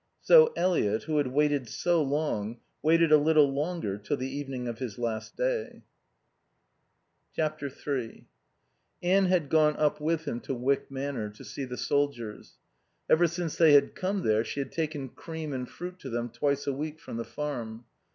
So Eliot, who had waited so long, waited a little longer, till the evening of his last day. iii Anne had gone up with him to Wyck Manor, to see the soldiers. Ever since they had come there she had taken cream and fruit to them twice a week from the Farm.